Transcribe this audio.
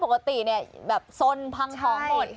ปกติเนี่ยแบบสนพังของหมด